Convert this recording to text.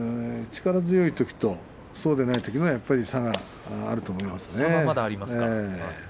力強いときとそうでないときその差があると思いますね。